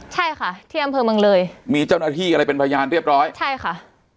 ใช่ค่ะที่อำเภอเมืองเลยมีเจ้าหน้าที่อะไรเป็นพยานเรียบร้อยใช่ค่ะ